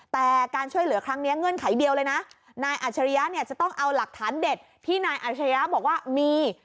แต่การช่วยเหลือครั้งนี้เงื่อนไขเดียวเลยนะนายอัจฉริยะเนี่ยจะต้องเอาหลักฐานเด็ดที่นายอัชริยะบอกว่ามี